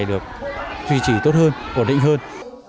được duy trì tốt hơn bổn định hơn